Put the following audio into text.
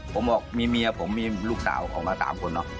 ผมบอกมีเมียผมมีลูกสาวออกมา๓คนเนอะ